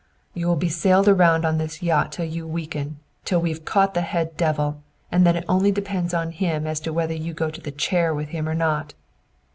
"You will be sailed around on this yacht till you weaken, till we've caught the head devil, and then it only depends on him as to whether you go to the 'chair' with him or not!"